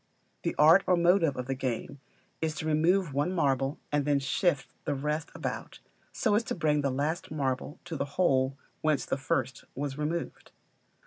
The art or motive of the game is to remove one marble and then to shift the rest about, so as to bring the last marble to the hole whence the first was removed.